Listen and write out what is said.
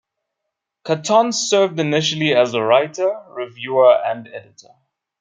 Catton served initially as a writer, reviewer, and editor.